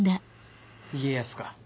家康か。